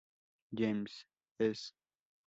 James es.